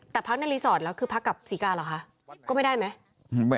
แต่พักในรีสอร์ทแล้วคือพักกับศรีกาเหรอคะก็ไม่ได้ไหม